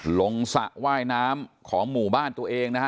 สระว่ายน้ำของหมู่บ้านตัวเองนะฮะ